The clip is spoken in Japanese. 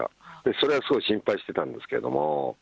それはすごい心配してたんですけども。